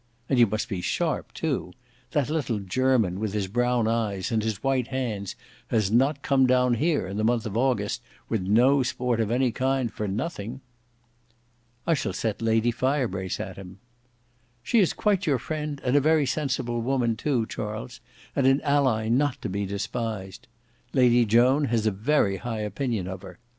And you must be sharp too. That little Jermyn, with his brown eyes and his white hands, has not come down here, in the month of August, with no sport of any kind, for nothing." "I shall set Lady Firebrace at him." "She is quite your friend, and a very sensible woman too, Charles, and an ally not to be despised. Lady Joan has a very high opinion of her.